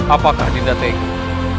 apakah dinda teguh